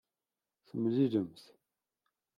Temlellimt.